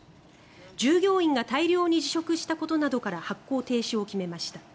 従業員が大量に辞職したことなどから発行停止を決めました。